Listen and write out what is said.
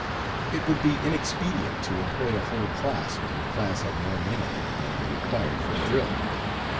It would be inexpedient to employ a whole class when the class had more men in it than were required for the drill.